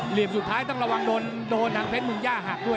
เหลี่ยมสุดท้ายต้องระวังโดนทางเพชรเมืองย่าหักด้วย